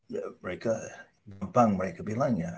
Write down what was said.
ya mereka gampang mereka bilang ya